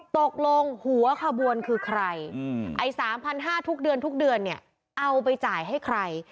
ตกลงหัวขบวนคือใครไอ้๓๕๐๐ทุกเดือนทุกเดือนเนี่ยเอาไปจ่ายให้ใคร